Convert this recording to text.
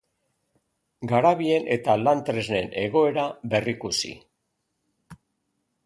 Garabien eta lan-tresnen egoera berrikusi.